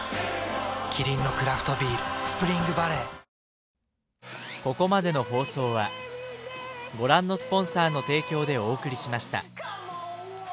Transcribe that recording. キリンのクラフトビール「スプリングバレー」［リスニングテスト。